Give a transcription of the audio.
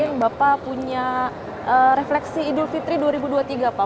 yang bapak punya refleksi idul fitri dua ribu dua puluh tiga pak